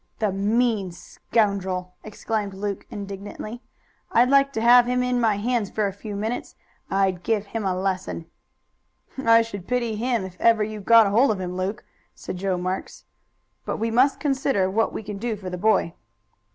"The mean scoundrel!" exclaimed Luke indignantly. "I'd like to have him in my hands for a few minutes; I'd give him a lesson." "I should pity him if ever you got hold of him, Luke," said Joe Marks. "But we must consider what we can do for the boy."